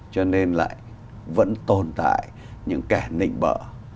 cho nên lại vẫn tồn tại những kẻ nịnh bỡ